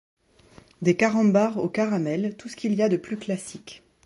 Des carambars au caramel tout ce qu’il y a de plus classiques.